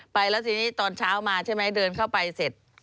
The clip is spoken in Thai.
ไปแล้วทีนี้ตอนเช้ามาใช่ไหมเดินเข้าไปเสร็จ